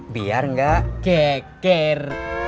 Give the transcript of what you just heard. biar gak keker